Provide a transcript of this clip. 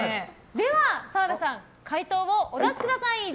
では、澤部さん回答をお出しください。